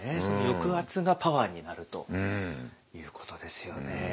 その抑圧がパワーになるということですよね。